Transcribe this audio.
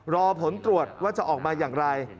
รอผลตรวจว่าจะออกมาอย่างไร